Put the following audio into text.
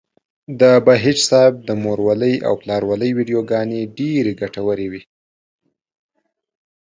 د بهيج صاحب د مورولۍ او پلارولۍ ويډيوګانې ډېرې ګټورې وې.